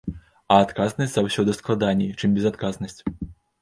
А адказнасць заўсёды складаней, чым безадказнасць.